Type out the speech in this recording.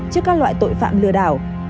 trước các loại tội phạm lừa đảo